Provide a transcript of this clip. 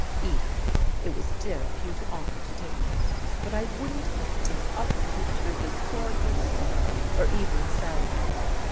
Edith, it was dear of you to offer to take my place, but I wouldn't give it up to Terpsichore herself or even Salome.